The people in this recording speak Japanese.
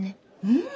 うん。